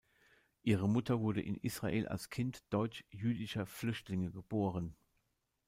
Ihre Mutter wurde in Israel als Kind deutsch-jüdischer Flüchtlinge geboren.